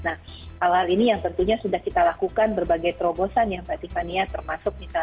nah hal ini yang tentunya sudah kita lakukan berbagai terobosan yang berarti kandian termasuk misalnya